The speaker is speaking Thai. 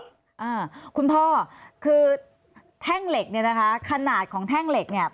อ่าคุณพ่อคือแท่งเหล็กเนี่ยนะคะขนาดของแท่งเหล็กเนี่ย